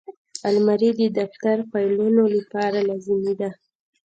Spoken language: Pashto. الماري د دفتر فایلونو لپاره لازمي ده